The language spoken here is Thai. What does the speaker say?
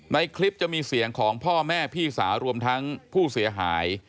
ในคลิปจะมีเสียงของพ่อแม่พี่สาวรวมทั้งผู้เสียหาย